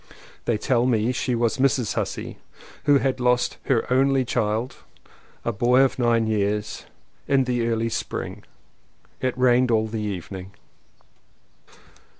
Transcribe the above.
They tell me she was Mrs. Hussey, who had lost her only child — a boy of nine years — in the early spring. It rained all the evening.